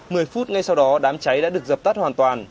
my phút ngay sau đó đám cháy đã được dập tắt hoàn toàn